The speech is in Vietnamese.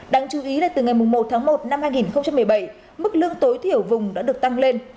đáng chú ý là từ ngày một tháng một năm hai nghìn một mươi bảy mức lương tối thiểu vùng đã được tăng lên